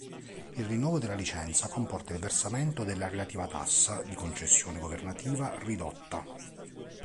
Il rinnovo della licenza comporta il versamento della relativa tassa di concessione governativa ridotta.